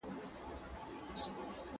ايا حضوري ټولګي د ګډو فعالیتونو فرصت ورکوي؟